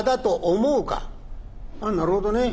「あっなるほどね。